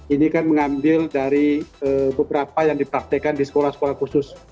ini kan mengambil dari beberapa yang dipraktekan di sekolah sekolah khusus